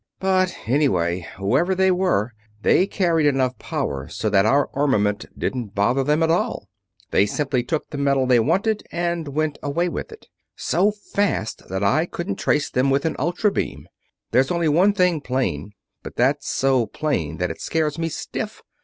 But anyway, whoever they were, they carried enough power so that our armament didn't bother them at all. They simply took the metal they wanted and went away with it so fast that I couldn't trace them with an ultra beam. There's only one thing plain; but that's so plain that it scares me stiff.